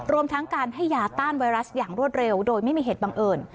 รวมทั้งการให้ยาต้านไวรัสอย่างรวดเร็วโดยไม่มีเหตุบังเอิญ